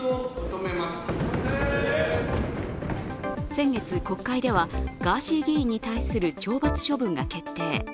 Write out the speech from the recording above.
先月、国会ではガーシー議員に対する懲罰処分が決定。